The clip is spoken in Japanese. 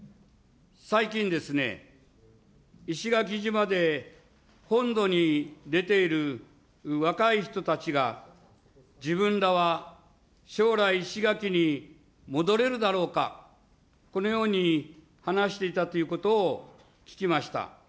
最近ですね、石垣島で、本土に出ている若い人たちが、自分らは将来、石垣に戻れるだろうか、このように話していたということを聞きました。